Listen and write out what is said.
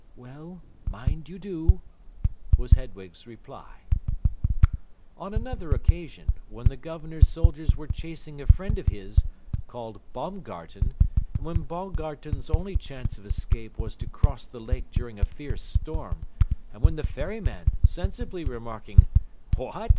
"Well, mind you do," was Hedwig's reply. On another occasion, when the Governor's soldiers were chasing a friend of his, called Baumgarten, and when Baumgarten's only chance of escape was to cross the lake during a fierce storm, and when the ferryman, sensibly remarking, "What!